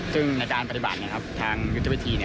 ซึ่งในการปฏิบัติทางยุทธวิธี